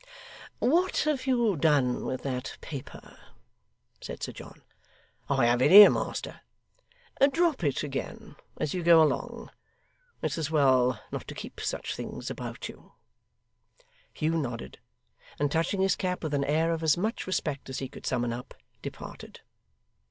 'What have you done with that paper?' said Sir John. 'I have it here, master.' 'Drop it again as you go along; it's as well not to keep such things about you.' Hugh nodded, and touching his cap with an air of as much respect as he could summon up, departed.